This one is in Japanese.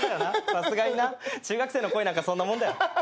さすがにな。中学生の恋なんかそんなもんだよ。